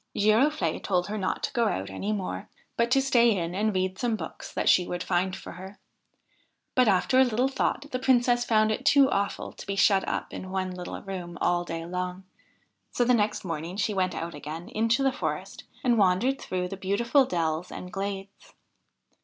Giroflde told her not to go out any more, but to stay in and read some books that she would find for her ; but, after a little thought, the Princess found it too awful to be shut up in one little room all day long, so the next morning she went out again into the forest, and wandered through the beautiful dells and glades.